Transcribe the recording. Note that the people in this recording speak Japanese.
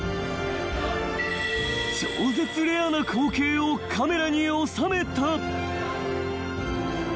［超絶レアな光景をカメラに収めた］